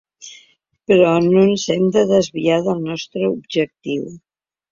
Però no ens hem de desviar del nostre objectiu.